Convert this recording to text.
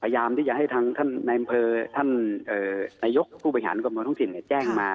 ตามที่จะทั้งท่านบริษัทท่านนายกผู้บัญหากรมกรท่องสินแจ้งมา